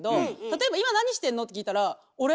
例えば「今なにしてんの？」って聞いたら「俺？